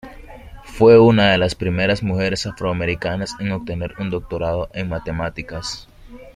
Fue una de las primeras mujeres afroamericanas en obtener un doctorado en matemática.